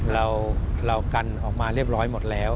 เรากันออกมาเรียบร้อยหมดแล้ว